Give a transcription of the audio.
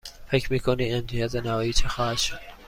فکر می کنید امتیاز نهایی چه خواهد شد؟